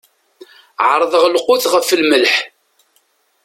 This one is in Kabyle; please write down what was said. Ɛerḍeɣ lqut ɣef lmelḥ.